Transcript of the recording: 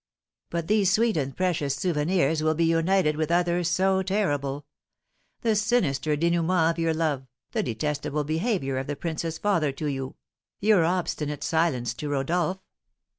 "But these sweet and precious souvenirs will be united with others so terrible: the sinister dénouement of your love, the detestable behaviour of the prince's father to you, your obstinate silence to Rodolph.